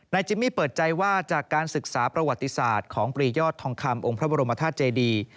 จิมมี่เปิดใจว่าจากการศึกษาประวัติศาสตร์ของปรียอดทองคำองค์พระบรมธาตุเจดี